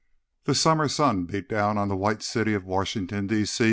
3 The summer sun beat down on the white city of Washington, D.